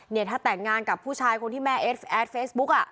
เนี่ยถ้าแต่งงานกับผู้ชายคนที่แม่เอสแอดเฟซบุ๊กอ่ะ